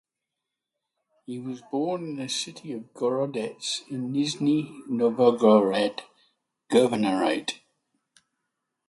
He was born in the city of Gorodets in Nizhny Novgorod Governorate.